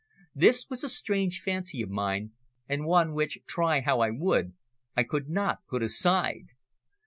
This was a strange fancy of mine, and one which, try how I would, I could not put aside.